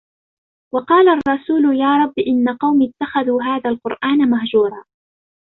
وقال الرسول يا رب إن قومي اتخذوا هذا القرآن مهجورا